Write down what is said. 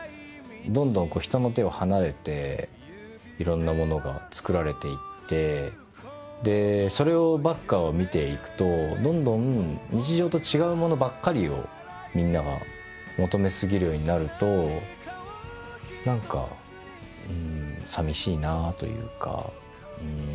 どんどん人の手を離れていろんなものが作られていってでそればっかを見ていくとどんどん日常と違うものばっかりをみんなが求めすぎるようになると何かさみしいなというか。